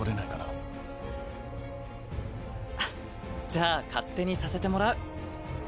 じゃあ勝手にさせてもらう。